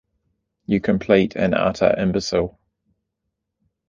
You complete and utter imbecile.